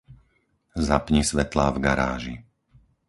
Zapni svetlá v garáži.